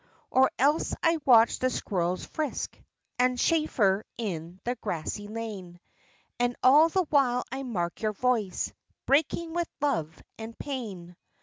Or else I watch the squirrels frisk And chaffer in the grassy lane; And all the while I mark your voice Breaking with love and pain.